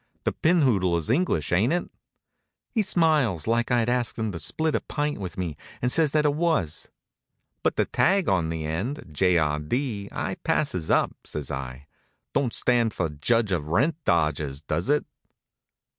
"The Pinphoodle is English, ain't it?" He smiles like I'd asked him to split a pint with me, and says that it was. "But the tag on the end J. R. D. I passes up," says I. "Don't stand for Judge of Rent Dodgers, does it?"